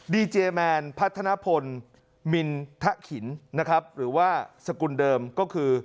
ดีเจแมนพัฒนพลมินทะขินนะครับหรือว่าสกุลเดิมก็คือ